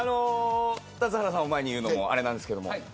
田津原さんを前に言うのもあれなんですけど。